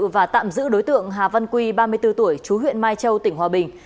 và tạm giữ đối tượng hà văn quy ba mươi bốn tuổi chú huyện mai châu tỉnh hòa bình